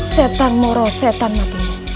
setan moro setan mati